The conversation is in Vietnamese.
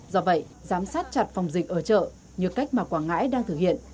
do vậy giám sát chặt phòng dịch ở chợ như cách mà quảng ngãi đang thực hiện